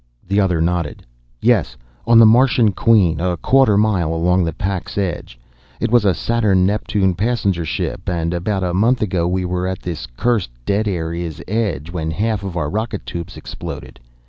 The other nodded. "Yes, on the Martian Queen, a quarter mile along the pack's edge. It was a Saturn Neptune passenger ship, and about a month ago we were at this cursed dead area's edge, when half our rocket tubes exploded.